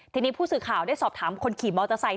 ทีนี้ผู้สื่อข่าวได้สอบถามคนขี่มอเตอร์ไซค